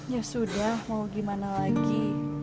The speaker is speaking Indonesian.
ya sudah mau gimana lagi